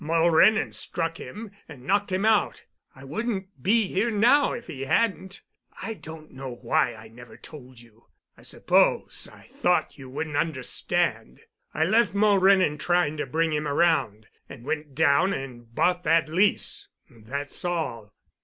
Mulrennan struck him, and knocked him out. I wouldn't be here now if he hadn't. I don't know why I never told you. I suppose I thought you wouldn't understand. I left Mulrennan trying to bring him around—and went down and bought that lease. That's all."